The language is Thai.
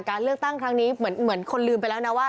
การเลือกตั้งครั้งนี้เหมือนคนลืมไปแล้วนะว่า